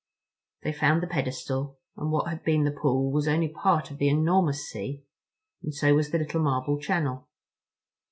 They found the pedestal, but what had been the pool was only part of the enormous sea, and so was the little marble channel.